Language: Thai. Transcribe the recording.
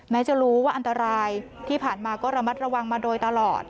จะรู้ว่าอันตรายที่ผ่านมาก็ระมัดระวังมาโดยตลอด